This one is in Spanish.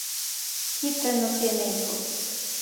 Hite no tiene hijos.